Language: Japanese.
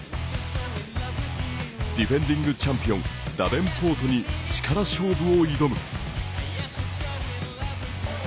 ディフェンディングチャンピオンダベンポートに力勝負を挑む。